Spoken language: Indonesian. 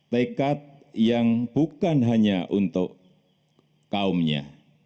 tekad yang bukan hanya untuk kaumnya